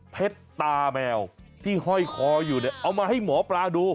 ตาแมวที่ห้อยคออยู่เนี่ยเอามาให้หมอปลาดู